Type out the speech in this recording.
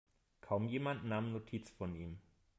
Kaum jemand nahm Notiz von ihm.